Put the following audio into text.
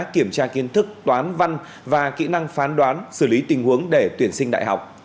kiểm tra kiến thức toán văn và kỹ năng phán đoán xử lý tình huống để tuyển sinh đại học